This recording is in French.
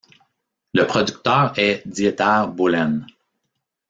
Le producteur est Dieter Bohlen.